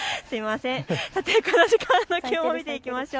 さてこの時間の気温を見ていきましょう。